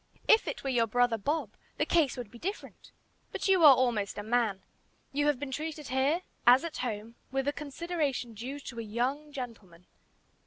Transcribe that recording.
If it were your brother Bob, the case would be different. But you are almost a man. You have been treated here, as at home, with the consideration due to a young gentleman.